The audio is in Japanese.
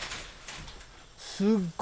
すっごい。